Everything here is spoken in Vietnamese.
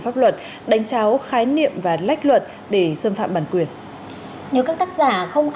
pháp luật đánh cháo khái niệm và lách luật để xâm phạm bản quyền nếu các tác giả có thể xâm phạm bản quyền